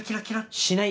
しない。